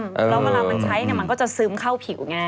แล้วเวลามันใช้มันก็จะซื้มเข้าผิวง่าย